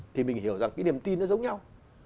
thì mình hiểu rằng cái niềm tin nó giống nhau